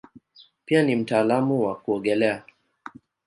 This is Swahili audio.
Pia ni mtaalamu wa kuogelea.